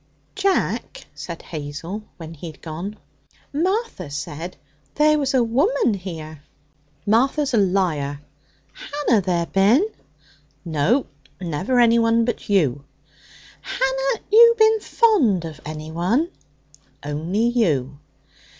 'Jack,' said Hazel when he had gone, 'Martha said there was a woman here.' 'Martha's a liar.' 'Hanna there bin?' 'No. Never anyone but you.' 'Hanna you bin fond of anyone?' 'Only you.'